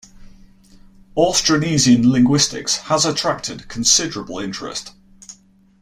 Austronesian linguistics has attracted considerable interest.